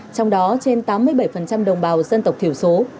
trong đó trên tám mươi bảy đồng bào dân tộc thiểu số